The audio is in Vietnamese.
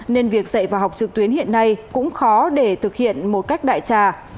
nên việc dạy và học trực tuyến hiện nay cũng khó để thực hiện một cách đại trà